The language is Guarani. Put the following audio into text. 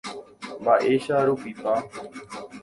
Mba'éicha rupípa.